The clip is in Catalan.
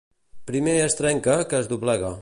Primer es trenca que es doblega.